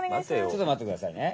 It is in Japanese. ちょっとまってくださいね。